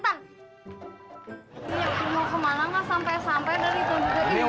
ini aku mau ke mana nggak sampai sampai dari tonsukai